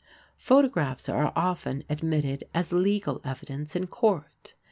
Photographs are often admitted as legal evidence in court.